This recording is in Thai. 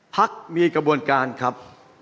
พักมีกระบวนการครับ